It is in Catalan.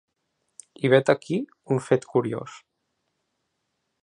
I vet aquí un fet curiós.